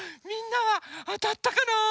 みんなはあたったかな？